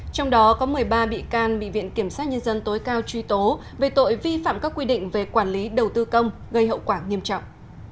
trong đó có một mươi ba bị can bị viện kiểm sát nhân dân tối cao truy tố về tội vi phạm các quy định về quản lý đầu tư công gây hậu quả nghiêm trọng